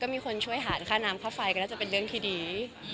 ก็มีคนช่วยหารค่าน้ำฝ้าไฟกันก็น่าจะเป็นเรื่องพิธี